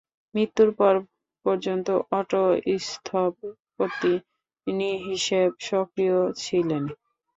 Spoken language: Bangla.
মৃত্যুর পূর্ব পর্যন্ত অটো স্থপতি হিসেবে সক্রিয় ছিলেন।